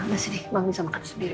kasih nih emang bisa makan sendiri